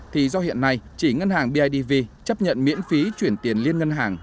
thì do hiện nay chỉ ngân hàng bidv chấp nhận miễn phí chuyển tiền liên ngân hàng